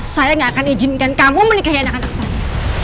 saya gak akan izinkan kamu menikahi anak anak saya